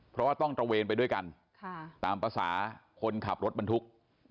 เพราะว่าต้องตระเวนไปด้วยกันตามภาษาคนขับรถบรรทุก